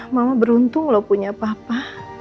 mama beruntung loh punya papa